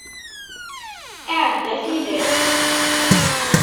Iɛedda tilas.